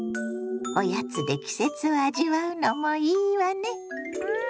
おやつで季節を味わうのもいいわね。